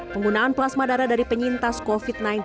penggunaan plasma darah dari penyintas covid sembilan belas